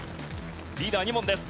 リーダー２問です。